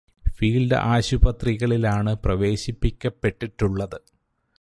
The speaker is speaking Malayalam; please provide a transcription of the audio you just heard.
ഫീല്ഡ് ആശുപത്രികളിലാണ് പ്രവേശിപ്പിക്കപ്പെട്ടിട്ടുള്ളത്.